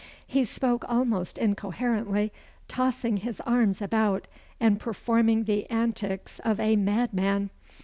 He spoke almost incoherently, tossing his arms about, and performing the antics of a madman.